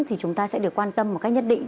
thì chúng ta sẽ được quan tâm một cách nhất định